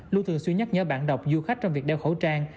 luôn thường xuyên nhắc nhở bạn đọc du khách trong việc đeo khẩu trang